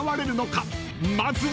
［まずは］